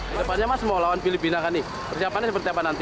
kedepannya mas mau lawan filipina kan nih persiapannya seperti apa nanti